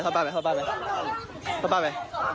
เข้าไป